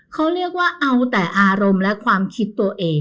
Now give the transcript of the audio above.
เขาเรียกว่าเอาแต่อารมณ์และความคิดตัวเอง